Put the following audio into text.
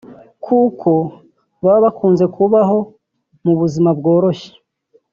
kuko baba bakunze kubaho mu buzima bworoshye